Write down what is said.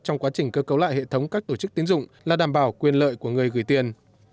trong quá trình cơ cấu lại hệ thống các tổ chức tiến dụng là đảm bảo quyền lợi của người gửi tiền